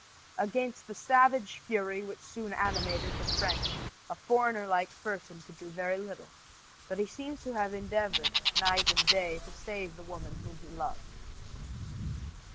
Against the savage fury which soon animated the French a foreigner like Fersen could do very little; but he seems to have endeavored, night and day, to serve the woman whom he loved.